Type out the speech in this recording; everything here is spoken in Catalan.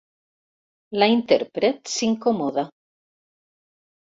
La intèrpret s'incomoda.